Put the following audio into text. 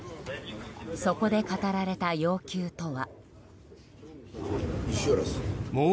そこで語られた要求とは。